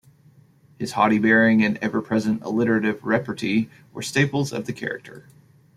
His haughty bearing, and ever-present alliterative repartee, were staples of the character.